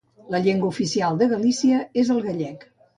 La llengua oficial de Galícia és el gallec.